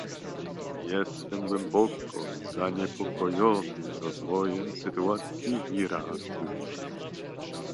Jestem głęboko zaniepokojony rozwojem sytuacji w Iraku